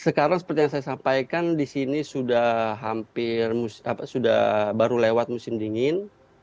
sekarang seperti yang saya sampaikan di sini sudah baru lewat musim dingin